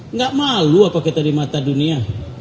nggak malu apa kita di mata dunia